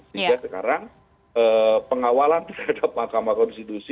sehingga sekarang pengawalan terhadap mahkamah konstitusi